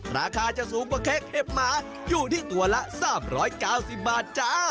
ราคาจะสูงกว่าเค้กเห็บหมาอยู่ที่ตัวละ๓๙๐บาทจ้า